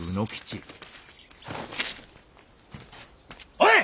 おい！